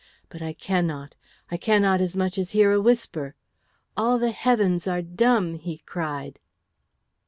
But I cannot. I cannot as much as hear a whisper. All the heavens are dumb," he cried.